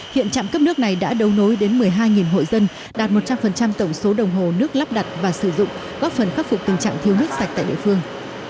hiện trạm cấp nước này đã đấu nối đến một mươi hai hội dân đạt một trăm linh tổng số đồng hồ nước lắp đặt và sử dụng góp phần khắc phục tình trạng thiếu nước sạch tại địa phương